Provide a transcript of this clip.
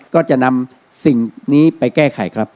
ก็จะนำสิ่งนี้ไปแก้ไขครับ